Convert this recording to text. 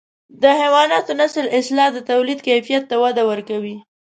د حیواناتو نسل اصلاح د توليد کیفیت ته وده ورکوي.